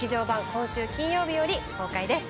今週金曜日より公開です。